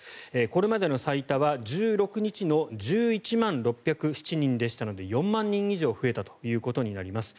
これまでの最多は１６日の１１万６０７人でしたので４万人以上増えたということになります。